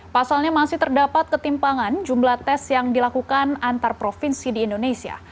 pasalnya masih terdapat ketimpangan jumlah tes yang dilakukan antar provinsi di indonesia